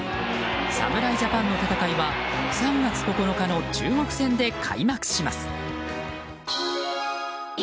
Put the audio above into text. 侍ジャパンの戦いは３月９日の中国戦で開幕します。